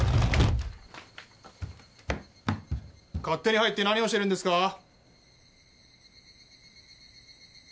勝手に入って何をしてるんですか？